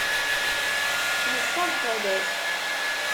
Yessaẓ talast.